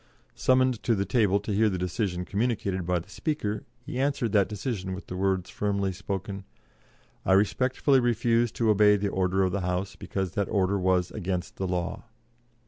Summoned to the table to hear the decision communicated by the Speaker, he answered that decision with the words firmly spoken: "I respectfully refuse to obey the order of the House, because that order was against the law."